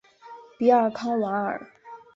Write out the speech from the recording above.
比尔康瓦尔。